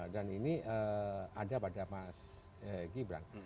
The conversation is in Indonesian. dan ini ada pada mas gibran